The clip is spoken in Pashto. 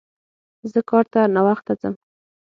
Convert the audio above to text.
زه کار ته ناوخته ځم